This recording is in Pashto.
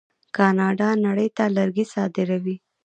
کاناډا نړۍ ته لرګي صادروي.